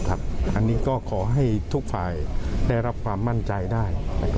อันนี้ก็ขอให้ทุกฝ่ายได้รับความมั่นใจได้